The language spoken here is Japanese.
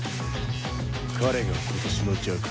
彼が今年の若王か。